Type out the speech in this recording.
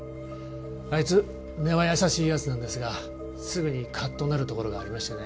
あいつ根は優しい奴なんですがすぐにカッとなるところがありましてね。